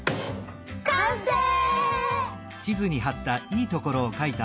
かんせい！